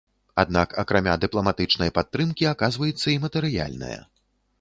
Аднак акрамя дыпламатычнай падтрымкі, аказваецца і матэрыяльная.